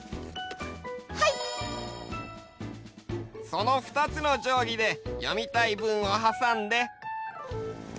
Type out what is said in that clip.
そのふたつのじょうぎで読みたいぶんをはさんで。